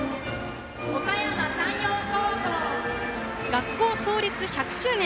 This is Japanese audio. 学校創立１００周年。